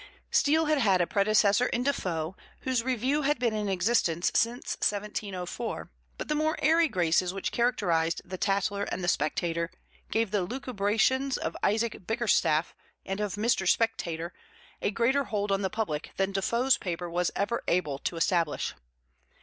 Steele had had a predecessor in Defoe, whose Review had been in existence since 1704, but the more airy graces which characterized the Tatler and the Spectator gave the "lucubrations" of "Isaac Bickerstaffe" and of "Mr. Spectator" a greater hold on the public than Defoe's paper was ever able to establish.